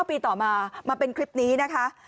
ปีต่อมามาเป็นคลิปนี้นะคะ